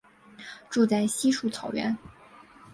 住在稀树草原。